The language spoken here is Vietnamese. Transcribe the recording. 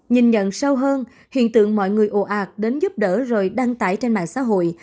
nhìn nhận sâu hơn hiện tượng mọi người ồ ạc đến giúp đỡ rồi đăng tải trên mạng xã hội